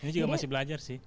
ini juga masih belajar sih